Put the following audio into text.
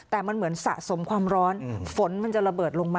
แต่มันเหมือนสะสมความร้อนฝนมันจะระเบิดลงมา